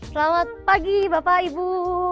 selamat pagi bapak ibu